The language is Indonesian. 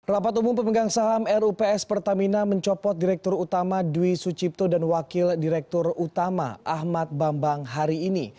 rapat umum pemegang saham rups pertamina mencopot direktur utama dwi sucipto dan wakil direktur utama ahmad bambang hari ini